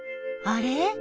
あれ？